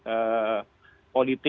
dan yang ketiga dalam aspek ponisi